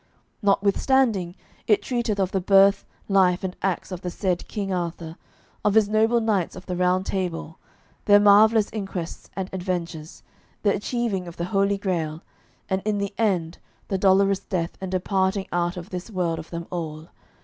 Notwithstanding, it treateth of the byrth, lyf and actes of the sayd Kynge Arthur, of his noble knyghtes of the Round Table, theyr mervayllous enquestes and adventures, the achyevying of the Holy Grail, and in the end the dolourous deth and departyng out of thys world of them al.